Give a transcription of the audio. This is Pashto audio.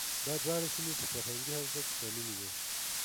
دا دواړه سیمې په فرهنګي حوزه کې شاملې وې.